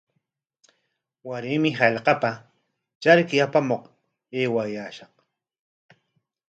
Waraymi hallqapa charki apamuq aywashaq.